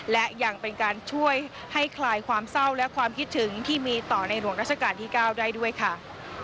และยังเป็นการช่วยให้คลายความเศร้าและความคิดถึงที่มีต่อในหลวงราชการที่๙ได้ด้วยค่ะ